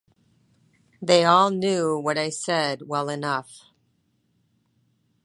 They all knew what I said well enough.